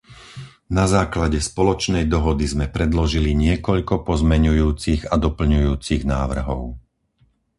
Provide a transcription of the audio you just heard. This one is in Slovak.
Na základe spoločnej dohody sme predložili niekoľko pozmeňujúcich a doplňujúcich návrhov.